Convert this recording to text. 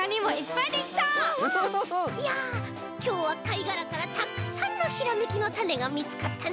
いやきょうはかいがらからたくさんのひらめきのタネがみつかったね。